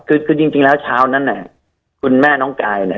คือคือจริงแล้วเช้านั้นเนี่ยคุณแม่น้องกายเนี่ย